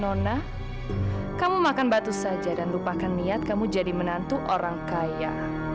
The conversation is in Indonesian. nona kamu makan batu saja dan lupakan niat kamu jadi menantu orang kaya